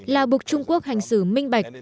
là buộc trung quốc hành xử minh bạch